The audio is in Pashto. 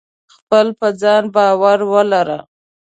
خپل په ځان باور ولره.